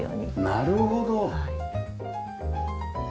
なるほど。